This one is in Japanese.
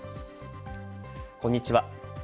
こんにちは。